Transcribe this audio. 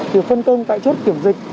điều phân công tại chốt kiểm dịch